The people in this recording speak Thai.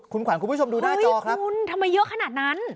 คุณขวัญคุณผู้ชมดูหน้าจอครับคุณทำไมเยอะขนาดนั้น